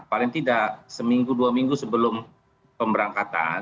paling tidak seminggu dua minggu sebelum pemberangkatan